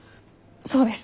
そうです